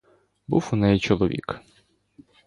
Був у неї чоловік.